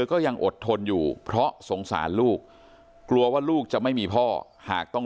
ก็ยังอดทนอยู่เพราะสงสารลูกกลัวว่าลูกจะไม่มีพ่อหากต้อง